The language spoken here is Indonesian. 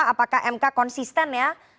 apakah mk konsisten ya